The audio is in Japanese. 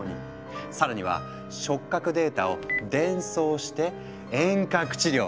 さらには触覚データを伝送して遠隔治療！